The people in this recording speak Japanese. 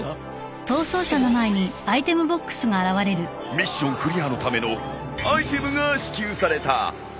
ミッションクリアのためのアイテムが支給された。